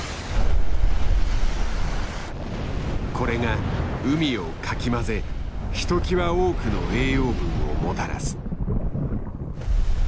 これが海をかき混ぜひときわ多くの栄養分をもたらす。